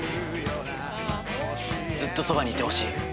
「ずっとそばにいてほしい」